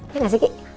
iya gak sih kiki